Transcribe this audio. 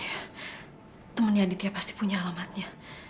iya temennya aditya pasti punya alamatnya